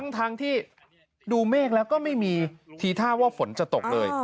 ทั้งที่ดูเมฆแล้วก็ไม่มีทีท่าว่าฝนจะตกเลย